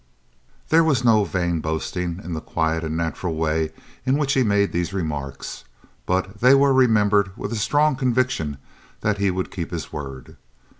There was no vain boasting in the quiet and natural way in which he made these remarks, and they were remembered with a strong conviction that he would keep his word.